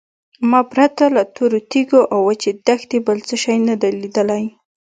ما پرته له تورو تیږو او وچې دښتې بل شی نه دی لیدلی.